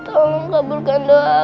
tolong kabulkan doa aku ya allah